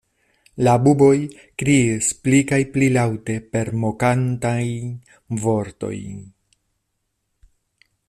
La buboj kriis pli kaj pli laŭte per mokantaj vortoj.